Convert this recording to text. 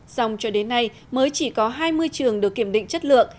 xong cho đến nay mới chỉ có hai mươi trường được kiểm định chất lượng